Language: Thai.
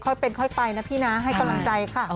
ค่อยเป็นค่อยไปนะพี่นะให้กำลังใจค่ะ